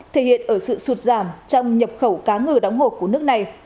thể hiện ở sự sụt giảm trong nhập khẩu cá ngừ đóng hộp của nước này